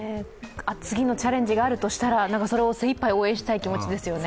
次のチャレンジがあるとしたら、それを精一杯応援したいですね。